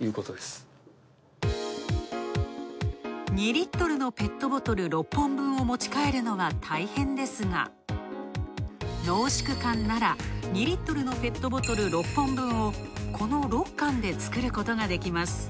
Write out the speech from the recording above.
２リットルのペットボトル、６本分を持ち帰るのは大変ですが、濃縮缶ならペットボトル６本分この６缶で作ることができます。